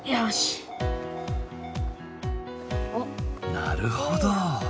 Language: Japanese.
なるほど。